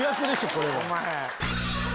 これは。